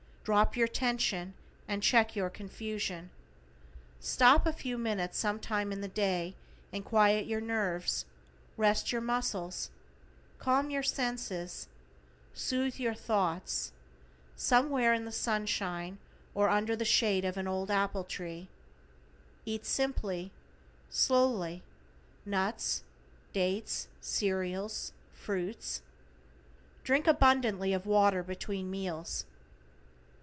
Drop your tension and you check confusion. Stop a few minutes sometime in the day and quiet your nerves, rest your muscles, calm your senses, sooth your thoughts, somewhere in the sunshine, or under the shade of an old apple tree. Eat simply, slowly, nuts, dates, cereals, fruits. Drink abundantly of water between meals.